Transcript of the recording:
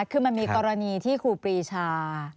คือมันมีกรณีที่ครูปรีชา